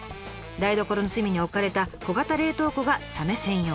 台所の隅に置かれた小型冷凍庫がサメ専用。